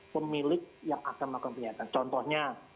pemilik yang akan melakukan kegiatan contohnya